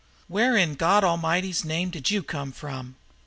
"Where in God A'mighty's name did YOU come from?"